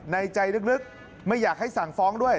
ในใจลึกไม่อยากให้สั่งฟ้องด้วย